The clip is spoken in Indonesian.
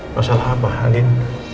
masalah apa andin